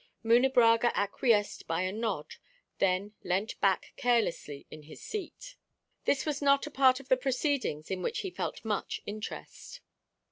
Munebrãga acquiesced by a nod, then leant back carelessly in his seat; this was not a part of the proceedings in which he felt much interest.